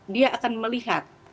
dia akan melihat